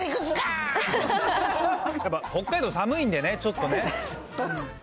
北海道寒いんでね、ちょっとね。